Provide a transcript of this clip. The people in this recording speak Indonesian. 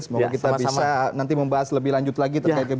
semoga kita bisa nanti membahas lebih lanjut lagi terkait ini